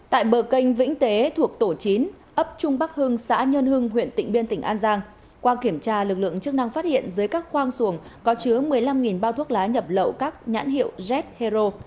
tại bờ canh vĩnh tế thuộc tổ chín ấp trung bắc hưng xã nhân hưng huyện tịnh biên tỉnh an giang qua kiểm tra lực lượng chức năng phát hiện dưới các khoang xuồng có chứa một mươi năm bao thuốc lá nhập lậu các nhãn hiệu jet hero